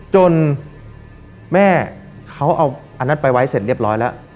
จนแม่เขาเอาอันนั้นไปไว้เสร็จเรียบร้อยแล้ว